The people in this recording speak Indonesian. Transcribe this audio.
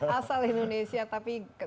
dan juga kembali bersama joe taslim